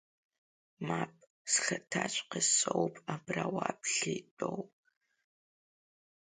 Мап, схаҭаҵәҟьа соуп абра уаԥхьа итәоу!